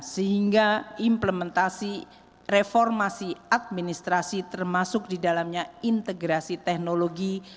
sehingga implementasi reformasi administrasi termasuk di dalamnya integrasi teknologi